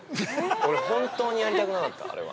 俺本当に、やりたくなかった、あれは。